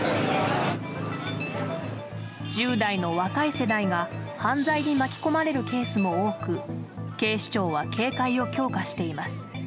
１０代の若い世代が犯罪に巻き込まれるケースも多く警視庁は警戒を強化しています。